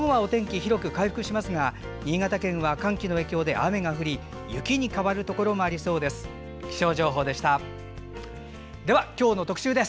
広く回復しますが新潟県は寒気の影響で雨が降り雪に変わるところもありそうです。